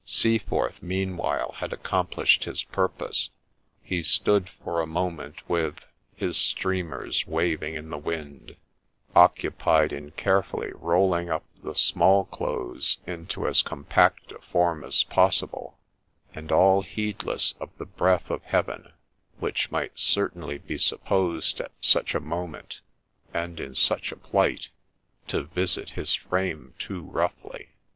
Seaforth, meanwhile, had accomplished his purpose : he stood for a moment with 1 His streamers waving in the wind,' occupied in carefully rolling up the small clothes into as compact a form as possible, and all heedless of the breath of heaven, which might certainly be supposed at such a moment, and in such a plight, to ' visit his frame too roughly.'